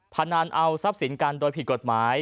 พนันเอาทรัพย์สินกันโดยผิดกฎหมาย